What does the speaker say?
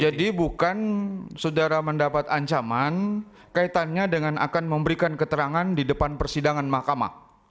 jadi bukan saudara mendapat ancaman kaitannya dengan akan memberikan keterangan di depan persidangan mahkamah